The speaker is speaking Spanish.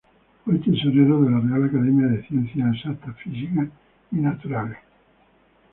Fue tesorero de la Real Academia de Ciencias Exactas, Físicas y Naturales.